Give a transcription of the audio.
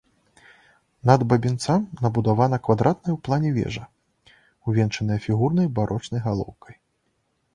Над бабінцам надбудавана квадратная ў плане вежа, увянчаная фігурнай барочнай галоўкай.